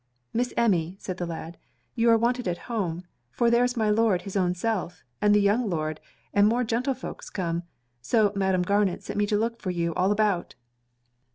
'Miss Emmy,' said the lad, 'you are wanted at home; for there is my Lord his own self, and the young Lord, and more gentlefolks come; so Madam Garnet sent me to look for you all about.'